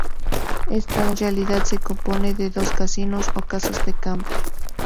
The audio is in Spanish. Ésta en realidad se compone de dos casinos o casas de campo.